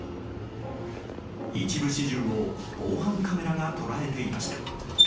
一部始終を防犯カメラが捉えていました。